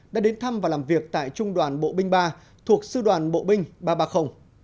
đã đến thăm và làm việc tại trung đoàn bộ binh ba thuộc sư đoàn bộ binh ba trăm ba mươi